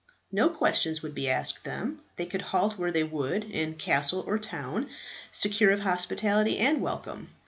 No questions would be asked them; they could halt where they would, in castle or town, secure of hospitality and welcome.